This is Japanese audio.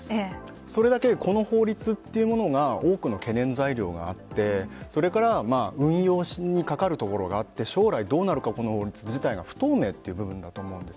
それだけこの法律というものが多くの懸念材料があって運用にかかるところがあって将来、どうなるのかこの法律自体が不透明という部分だと思うんです。